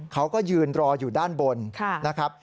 เขาก็ยืนรออยู่ด้านบนนะครับ